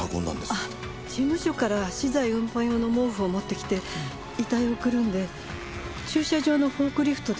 あっ事務所から資材運搬用の毛布を持ってきて遺体をくるんで駐車場のフォークリフトで私の車の荷台に積み込んだんです。